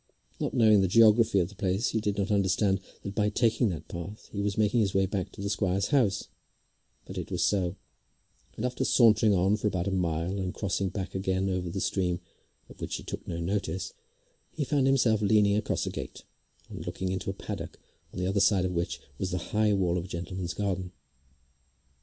Not knowing the geography of the place he did not understand that by taking that path he was making his way back to the squire's house; but it was so; and after sauntering on for about a mile and crossing back again over the stream, of which he took no notice, he found himself leaning across a gate, and looking into a paddock on the other side of which was the high wall of a gentleman's garden.